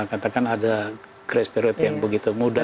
katakan ada grass period yang begitu mudah